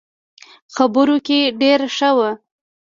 خبرو کې ډېر ښه وو.